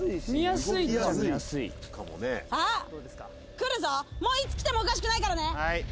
来るぞ、もういつ来てもおかしくないからね！